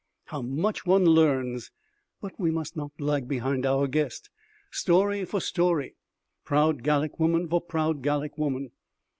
How much one learns; but we must not lag behind our guest. Story for story. Proud Gallic woman for proud Gallic woman.